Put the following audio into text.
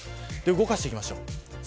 動かしていきましょう。